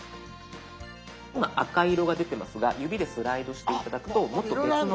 今赤色が出てますが指でスライドして頂くともっと別の。